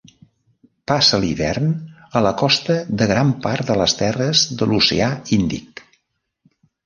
Passa l'hivern a la costa de gran part de les terres de l'Oceà Índic.